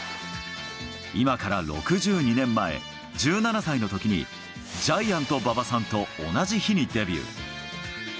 今から６２年前、１７歳のときに、ジャイアント馬場さんと同じ日にデビュー。